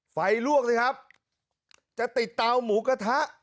ลวกสิครับจะติดเตาหมูกระทะ